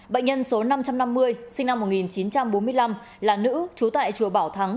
bệnh nhân số năm trăm năm mươi sinh năm một nghìn chín trăm bốn mươi năm là nữ trú tại chùa bảo thắng